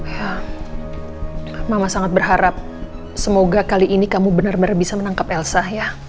ya mama sangat berharap semoga kali ini kamu benar benar bisa menangkap elsa ya